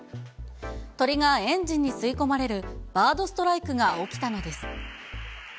鳥がエンジンに吸い込まれるバードストライクが起きたのです。